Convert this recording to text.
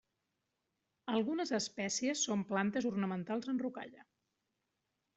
Algunes espècies són plantes ornamentals en rocalla.